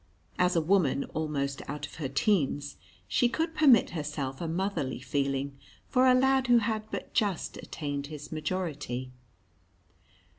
As a woman almost out of her teens, she could permit herself a motherly feeling for a lad who had but just attained his majority.